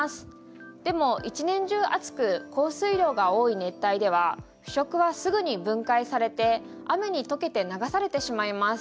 でも一年中暑く降水量が多い熱帯では腐植はすぐに分解されて雨に溶けて流されてしまいます。